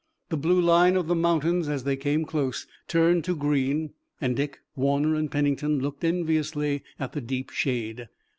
The blue line of the mountains, as they came close, turned to green and Dick, Warner and Pennington looked enviously at the deep shade.